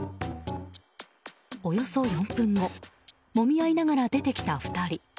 およそ４分後もみ合いながら出てきた２人。